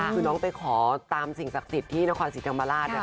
คือน้องไปขอตามสิ่งศักดิ์ที่นครสิทธิ์จังบรรลาศ